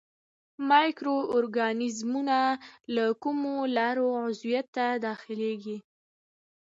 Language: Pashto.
مایکرو ارګانیزمونه له کومو لارو عضویت ته داخليږي.